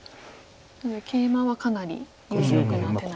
なのでケイマはかなり有力な手なんですね。